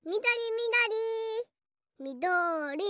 みどりみどり。